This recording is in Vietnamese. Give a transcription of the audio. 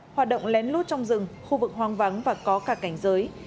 hoạt động lén lút trong rừng khu vực hoang vắng và có cả cảnh giới